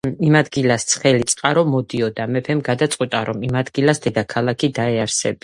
იმ ადგილას ცხელი წყარო მოდიოდა. მეფემ გადაწყვიტა რომ ამ ადგილას დედაქალაქი დაეარსებინა.